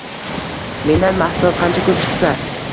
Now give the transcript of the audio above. Mendan mahsulot qancha ko‘p chiqsa